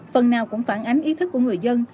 phần nào cũng phản ánh ý thức của người dân